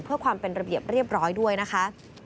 เพื่อความเป็นระเบียบเรียบร้อยด้วยนะคะ